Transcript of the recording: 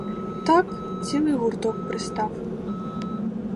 Так, цілий гурток пристав.